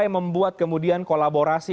yang membuat kemudian kolaborasi